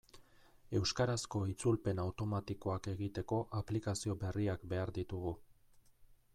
Euskarazko itzulpen automatikoak egiteko aplikazio berriak behar ditugu.